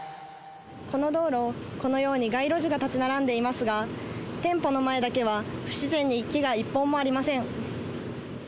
この道路、このように街路樹が立ち並んでいますが、店舗の前だけは不自然に木が一本もありません。